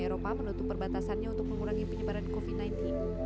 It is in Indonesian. eropa menutup perbatasannya untuk mengurangi penyebaran covid sembilan belas